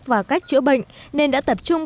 và cách chữa bệnh nên đã tập trung